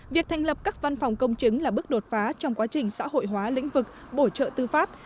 việc thành lập các văn phòng công chứng là bước đột phá trong quá trình xã hội hóa lĩnh vực bổ trợ tư pháp